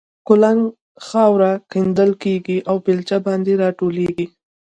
کولنګ خاوره کیندل کېږي او بېلچه باندې را ټولېږي.